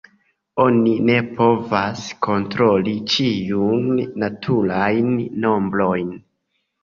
Oni ne povas kontroli ĉiujn naturajn nombrojn.